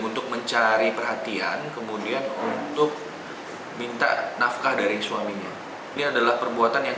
untuk mencari perhatian kemudian untuk minta nafkah dari suaminya ini adalah perbuatan yang